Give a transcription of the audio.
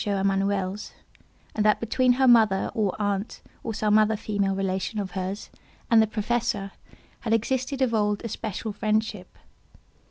Emanuel's, and that between her mother, or aunt, or some other female relation of hers, and the Professor, had existed of old a special friendship.